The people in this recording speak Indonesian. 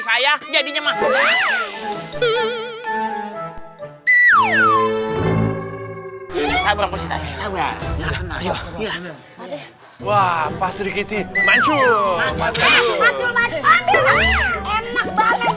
saya jadinya maksudnya saya berpulsi tadi ya wah pasti gitu mancur mancur mancur enak banget